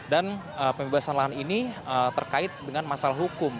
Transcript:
dan pembebasan lahan ini terkait dengan masalah hukum